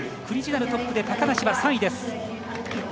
クリジュナル、トップで高梨は３位です。